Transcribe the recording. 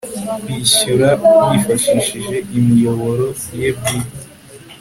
kwishyura yifashishije imiyoboro ye bwite